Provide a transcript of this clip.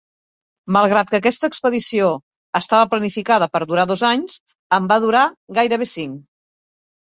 Malgrat que aquesta expedició estava planificada per durar dos anys en va durar gairebé cinc.